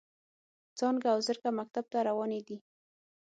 څانګه او زرکه مکتب ته روانې دي.